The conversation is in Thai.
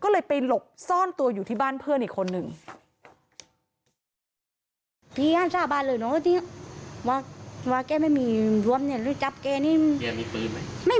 แล้วเราเชื่อไว้ว่าแกทำอะไร